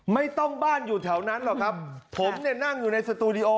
บ้านอยู่แถวนั้นหรอกครับผมเนี่ยนั่งอยู่ในสตูดิโอ